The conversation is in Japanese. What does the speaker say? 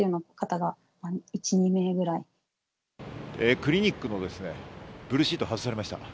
クリニックのブルーシートが外されました。